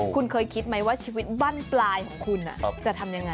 คุณเคยคิดไหมว่าชีวิตบ้านปลายของคุณจะทำยังไง